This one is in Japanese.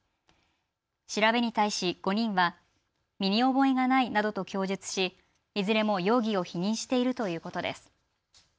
調べに対し５人は身に覚えがないなどと供述しいずれも容疑を否認しているということです。